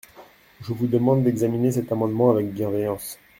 Je vous demande d’examiner cet amendement avec bienveillance.